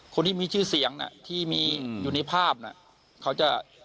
คนที่มีชื่อเสียงน่ะที่มีอยู่ในภาพน่ะเขาจะ